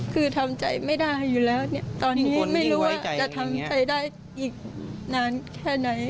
คือทำใจไม่ได้อยู่แล้วตอนนี้ไม่รู้ว่าจะทำใจได้อีกนานแค่ไหน